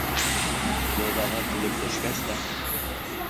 Йылғаға килеп төшкәс тә: